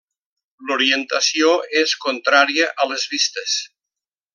L'orientació és contrària a les vistes.